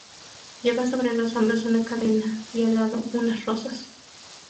Lleva sobre los hombros una cadena y, al lado, unas rosas.